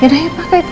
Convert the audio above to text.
ya udah ya pak kaitin